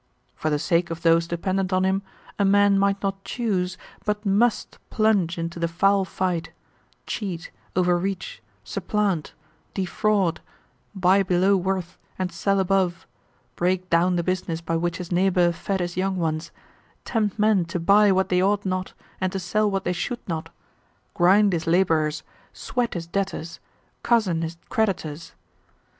For the sake of those dependent on him, a man might not choose, but must plunge into the foul fight cheat, overreach, supplant, defraud, buy below worth and sell above, break down the business by which his neighbor fed his young ones, tempt men to buy what they ought not and to sell what they should not, grind his laborers, sweat his debtors, cozen his creditors.